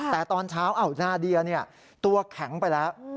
แต่ตอนเช้านาเดียตัวแข็งไปแล้ว